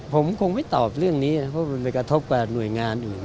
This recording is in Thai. ผมคงไม่ตอบเรื่องนี้นะเพราะมันไปกระทบกับหน่วยงานอื่น